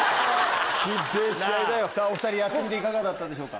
お２人いかがだったでしょうか？